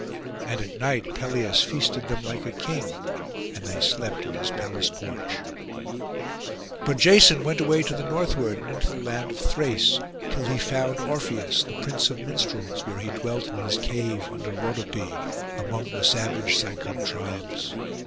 And at night Pelias feasted them like a king, and they slept in his palace porch. But Jason went away to the northward, and into the land of Thrace, till he found Orpheus, the prince of minstrels, where he dwelt in his cave under Rhodope, among the savage Cicon tribes.